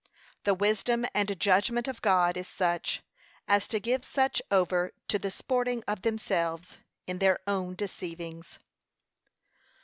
The wisdom and judgment of God is such, as to give such over to the sporting of themselves in their own deceivings.